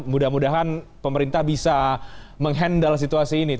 mudah mudahan pemerintah bisa menghandle situasi ini